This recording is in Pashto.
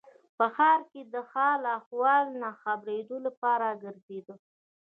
په ښار کې د حال و احوال نه د خبرېدو لپاره ګرځېده.